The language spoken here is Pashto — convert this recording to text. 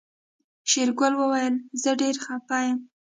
شېرګل وويل زه ډېر خپه يم.